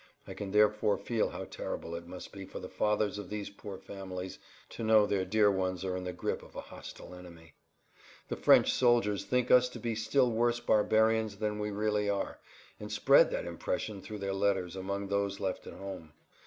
I can therefore feel how terrible it must be for the fathers of these poor families to know their dear ones are in the grip of a hostile army. The French soldiers think us to be still worse barbarians than we really are, and spread[Pg 74] that impression through their letters among those left at home.